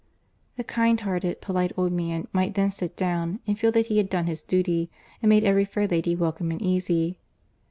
The kind hearted, polite old man might then sit down and feel that he had done his duty, and made every fair lady welcome and easy.